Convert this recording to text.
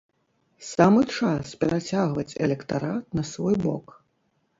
Самы час перацягваць электарат на свой бок.